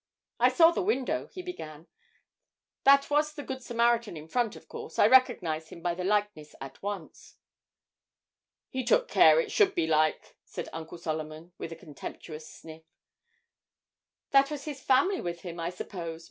'I saw the window,' he began; 'that was the Good Samaritan in front, of course. I recognised him by the likeness at once.' 'He took care it should be like,' said Uncle Solomon, with a contemptuous sniff. 'That was his family with him, I suppose?'